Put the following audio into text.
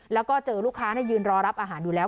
แล้วก็เจอลูกค้ายืนรอรับอาหารอยู่แล้ว